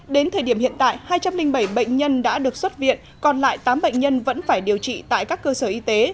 đến thời điểm hiện tại hai trăm linh bảy bệnh nhân đã được xuất viện còn lại tám bệnh nhân vẫn phải điều trị tại các cơ sở y tế